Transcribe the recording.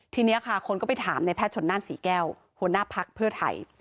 ทีนี้ค่ะคนก็ไปถามในแพทย์ชนนั่นศรีแก้วหัวหน้าพักเพื่อไทย